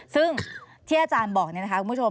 ซึ่งที่อาจารย์บอกนี่นะคะคุณผู้ชม